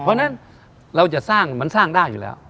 เพราะฉะนั้นเราจะสร้างมันสร้างได้อยู่แล้ว